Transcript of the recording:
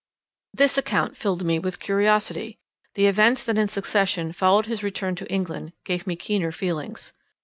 This account filled me with curiosity. The events that in succession followed his return to England, gave me keener feelings.